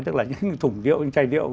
tức là những thùng rượu những chai rượu